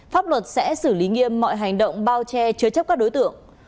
pháp luật sẽ xử lý nghiêm mọi hành động bao che chứa chấp các đối tượng